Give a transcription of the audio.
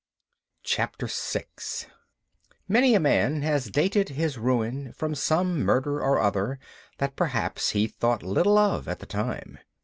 CHAPTER 6 _Many a man has dated his ruin from some murder or other that perhaps he thought little of at the time.